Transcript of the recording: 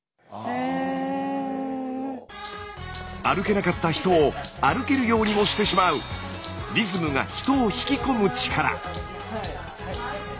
歩けなかった人を歩けるようにもしてしまうリズムが人を引き込む力。